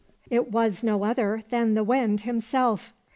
It was no other than the Wind himself.